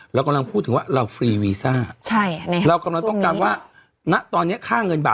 เรากำลังพูดถึงว่าเราฟรีวีซ่าเรากำลังต้องการว่าณตอนนี้ค่าเงินบาท